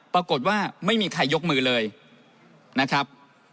ปรากฏว่าไม่มีใครยกมือเลยนะครับ